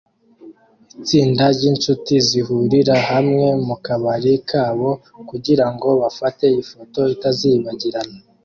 Itsinda ryinshuti zihurira hamwe mukabari kabo kugirango bafate ifoto itazibagirana